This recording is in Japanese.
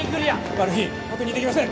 マル被確認できません